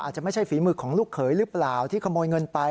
อาจจะไม่ใช่ฝีมือของลูกเขยหรือเปล่าที่ขโมยเงินไป